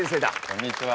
こんにちは。